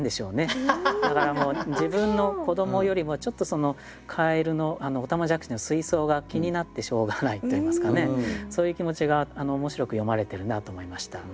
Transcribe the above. だからもう自分の子どもよりもちょっとそのカエルのおたまじゃくしの水槽が気になってしょうがないといいますかねそういう気持ちが面白く詠まれてるなと思いました。